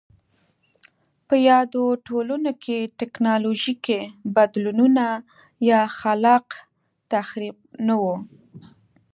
په یادو ټولنو کې ټکنالوژیکي بدلونونه یا خلاق تخریب نه و